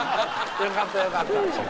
よかったよかった。